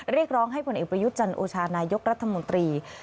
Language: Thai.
เรียกร้องให้ผลเอกประยุทธ์จันโอชานายกรัฐมนตรี